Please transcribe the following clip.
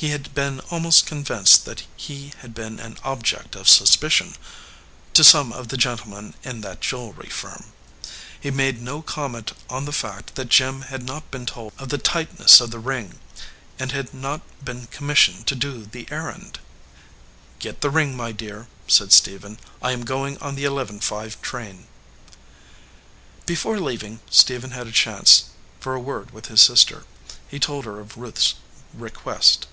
He had been almost con vinced that he had been an object of suspicion to some of the gentlemen in that jewelry firm. He made no comment on the fact that Jim had not been told of the tightness of the ring, and had not 277 EDGEWATER PEOPLE been commissioned to do the errand. "Get the ring, my dear/ said Stephen. "I am going on the eleven five train." Before leaving, Stephen had a chance for a word with his sister. He told her of Ruth s request.